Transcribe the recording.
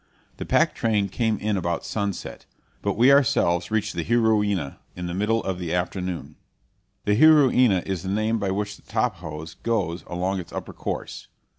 The pack train came in about sunset; but we ourselves reached the Juruena in the middle of the afternoon. The Juruena is the name by which the Tapajos goes along its upper course.